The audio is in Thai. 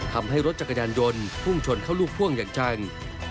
ทำให้รถจักรยานยนต์พุ่งชนเข้าลูกพ่วงอย่างจัง